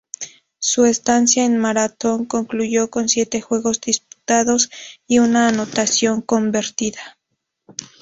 Su estancia en Marathón concluyó con siete juegos disputados y una anotación convertida.